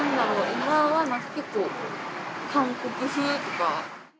今はなんか結構韓国風とか。